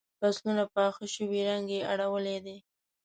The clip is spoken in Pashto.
فصلونه پاخه شوي رنګ یې اړولی دی.